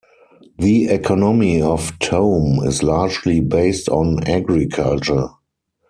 The economy of Tome is largely based on agriculture.